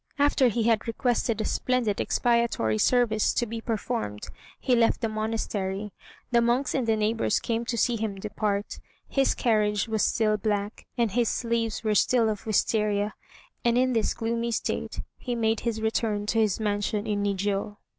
After he had requested a splendid expiatory service to be performed, he left the monastery. The monks and the neighbors came to see him depart. His carriage was still black, and his sleeves were still of Wistaria, and in this gloomy state he made his return to his mansion in Nijiô.